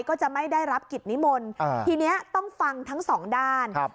ก็จะไม่ได้รับกิจนิมนต์ทีนี้ต้องฟังทั้งสองด้านครับ